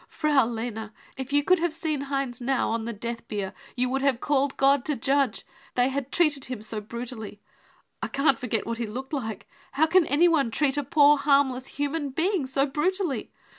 Frau Lene, if you could have seen Heinz now, on the death bier, you would have called God to judge, they had treated him so brutally ! I can't forget what he looked like, how can anyone treat a poor harmless human being so brutally?